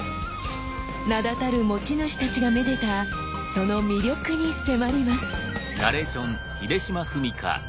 名だたる持ち主たちがめでたその魅力に迫ります。